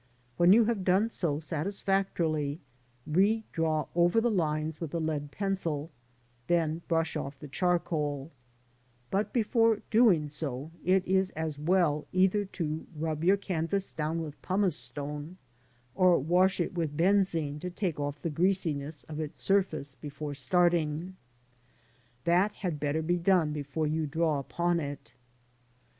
When you have done so satisfactorily, re draw over the lines with a lead pencil, then brush off the charcoal ; but before doing so, it is as well either to rub your canvas down with pumice stone or wash it with benzine to take off the greasiness of its surface before starting. That had better be done before you draw upon it.